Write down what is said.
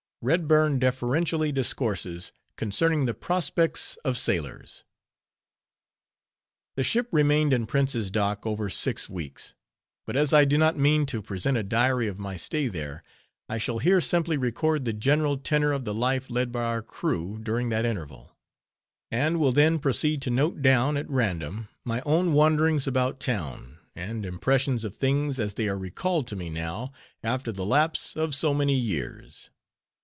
REDBURN DEFERENTIALLY DISCOURSES CONCERNING THE PROSPECTS OF SAILORS The ship remained in Prince's Dock over six weeks; but as I do not mean to present a diary of my stay there, I shall here simply record the general tenor of the life led by our crew during that interval; and will then proceed to note down, at random, my own wanderings about town, and impressions of things as they are recalled to me now, after the lapse of so many years.